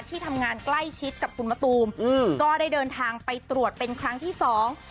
ที่ทำงานใกล้ชิดกับคุณมะตูมอืมก็ได้เดินทางไปตรวจเป็นครั้งที่สอง